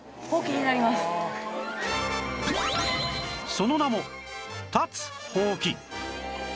その名も立つほうき